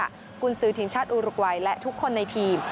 ขอบคุณซื้อทีมชาติอุโรกวัยและทุกคนในทีม